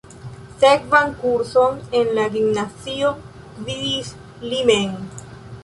Sekvan kurson en la gimnazio gvidis li mem.